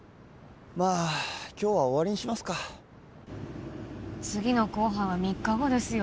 まあ今日は終わりにしますか次の公判は３日後ですよ